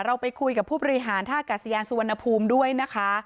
เราไปคุยกับผู้บริหารท่ากาศยานสุวรรณภูมิด้วยนะคะ